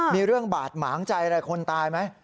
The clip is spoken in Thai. มีเรื่องบาดหมางใจอะไรคนตายไหม